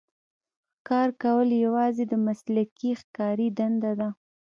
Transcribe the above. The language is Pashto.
ښکار کول یوازې د مسلکي ښکاري دنده ده.